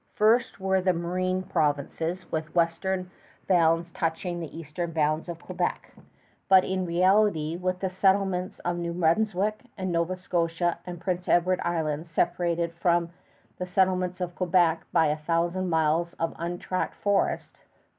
First were the Maritime Provinces, with western bounds touching the eastern bounds of Quebec, but in reality with the settlements of New Brunswick, and Nova Scotia, and Prince Edward Island separated from the settlements of Quebec by a thousand miles of untracked forest.